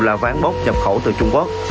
là ván bốc nhập khẩu từ trung quốc